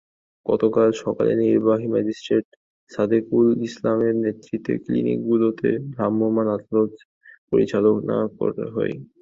গতকাল সকালে নির্বাহী ম্যাজিস্ট্রেট সাদেকুল ইসলামের নেতৃত্বে ক্লিনিকগুলোতে ভ্রাম্যমাণ আদালত পরিচালনা করা হয়।